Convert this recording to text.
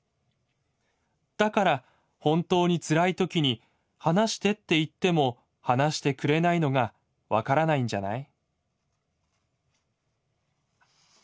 だから本当に辛い時に『話して』って言っても話してくれないのが分からないんじゃない？」。